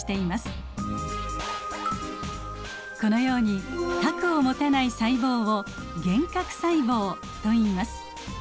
このように核を持たない細胞を原核細胞といいます。